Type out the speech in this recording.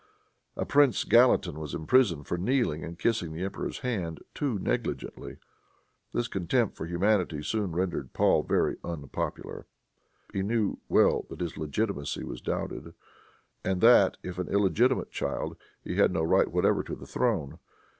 A prince Gallatin was imprisoned for "kneeling and kissing the emperor's hand too negligently." This contempt for humanity soon rendered Paul very unpopular. He well knew that his legitimacy was doubted, and that if an illegitimate child he had no right whatever to the throne.